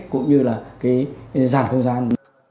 cũng như là cái dạng không gian